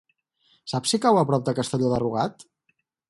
Saps si cau a prop de Castelló de Rugat?